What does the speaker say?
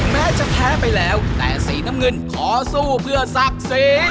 แม้จะแพ้ไปแล้วแต่สีน้ำเงินขอสู้เพื่อศักดิ์ศรี